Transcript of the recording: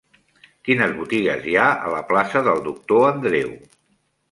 Quines botigues hi ha a la plaça del Doctor Andreu?